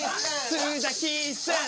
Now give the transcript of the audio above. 洲崎さん